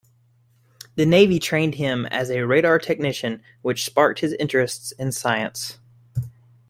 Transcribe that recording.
The Navy trained him as a radar technician, which sparked his interest in science.